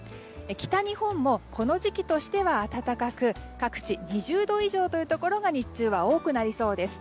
北日本もこの時期としては暖かく各地、２０度以上というところが日中は多くなりそうです。